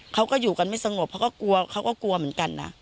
เขาก็อยู่กันไม่สงบเขาก็กลัวเขาก็กลัวเหมือนกันนะ